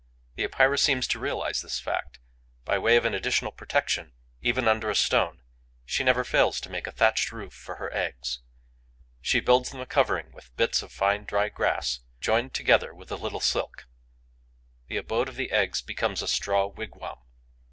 The Epeira seems to realize this fact. By way of an additional protection, even under a stone, she never fails to make a thatched roof for her eggs. She builds them a covering with bits of fine, dry grass, joined together with a little silk. The abode of the eggs becomes a straw wigwam.